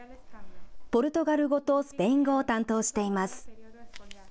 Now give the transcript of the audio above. ポルトガル語とスペイン語を担当しています。